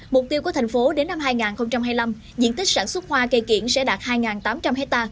mục tiêu của thành phố đến năm hai nghìn hai mươi năm diện tích sản xuất hoa cây kiển sẽ đạt hai tám trăm linh hectare